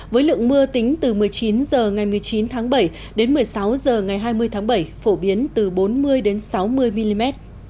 với lượng mưa tính từ một mươi chín h ngày một mươi chín tháng bảy đến một mươi sáu h ngày hai mươi tháng bảy phổ biến từ bốn mươi đến sáu mươi mm